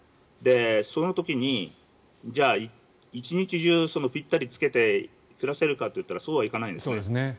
その時に、じゃあ１日中ピッタリ着けて暮らせるかといったらそうはいかないんですね。